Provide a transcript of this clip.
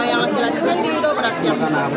yang laki laki yang didobraknya